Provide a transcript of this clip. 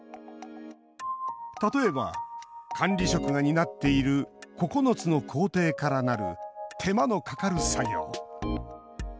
例えば管理職が担っている９つの工程からなる手間のかかる作業。